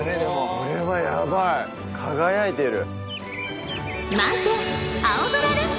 これはヤバい！輝いてる。